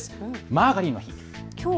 マーガリンの日。